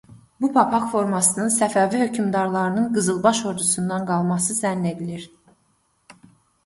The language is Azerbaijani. Bu papaq formasının Səfəvi hökmdarlarının "qızılbaş" ordusundan qalması zənn edilir.